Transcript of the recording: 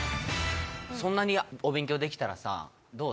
そんなにお勉強できたらさどう？